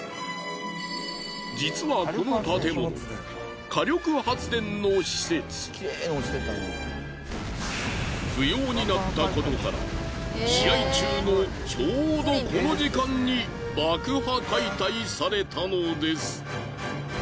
実はこの建物不要になったことから試合中のちょうどこの時間に爆破解体されたのです。